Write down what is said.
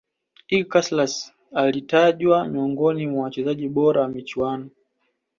iker casilas alitajwa miongoni mwa wachezaji bora wa michuano